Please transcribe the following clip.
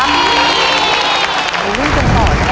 ผมจะเลือกเปิดตู้หมายเลขหนึ่งก่อนนะครับ